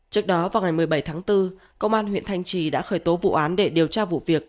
trước đó vào ngày một mươi bảy tháng bốn công an huyện thanh trì đã khởi tố vụ án để điều tra vụ việc